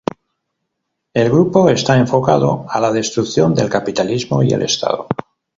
El grupo está enfocado a la destrucción del capitalismo y el Estado.